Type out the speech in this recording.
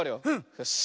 よし。